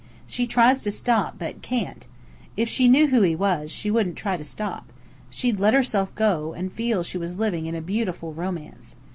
She tries to stop, but can't. If she knew who he was, she wouldn't try to stop. She'd let herself go, and feel she was living in a beautiful romance.